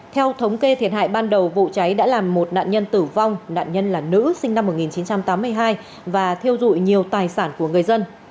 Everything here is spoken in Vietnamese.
theo thống kê thiệt hại ban đầu vụ cháy đã làm một nạn nhân tử vong nạn nhân là nữ sinh năm một nghìn chín trăm tám mươi hai và thiêu dụi nhiều tài sản của người dân